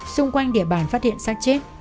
xung quanh địa bàn phát hiện sát chết